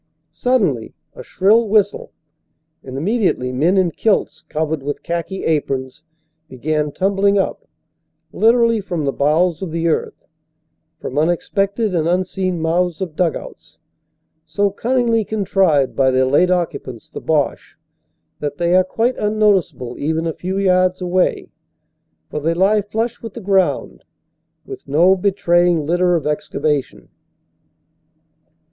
Suddenly a shrill whistle, and immediately men in kilts, covered with khaki aprons, begin tumbling up, literally, from the bowels of the earth ; from unexpected and unseen mouths of dug outs, so cunningly contrived by their late occupants, the Boche, that they are quite unnoticeable even a few yards away, for they lie flush with the ground, with no betraying litter of excavation.